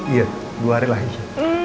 iya dua hari lah isya